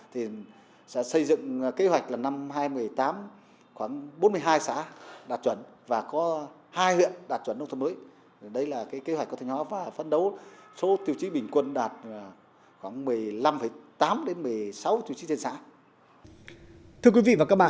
thì sẽ xây dựng kế hoạch là năm hai nghìn một mươi tám